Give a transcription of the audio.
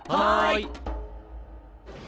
はい！